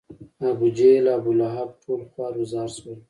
ابوجهل، ابولهب ټول خوار و زار شول.